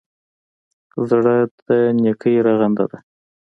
زړه د نېکۍ رغنده ده.